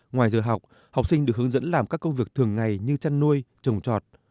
ngoài giờ học học sinh được hướng dẫn làm các công việc thường ngày như chăn nuôi trồng trọt